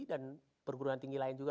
dan perguruan tinggi lain juga